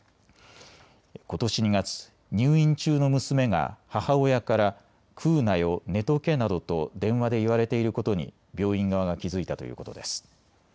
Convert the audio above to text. ことし２月、入院中の娘が母親から食うなよ、寝とけなどと電話で言われていることに病院側が気付いたということです。